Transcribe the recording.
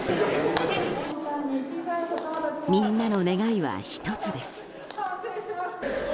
みんなの願いは１つです。